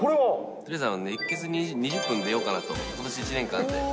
とりあえず熱ケツに２０分出ようかなと、ことし１年間で。